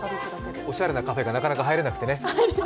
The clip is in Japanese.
おしゃれなカフェがなかなか入れなくてね。